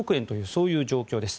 そういう状況です。